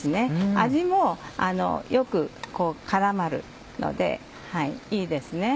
味もよく絡まるのでいいですね。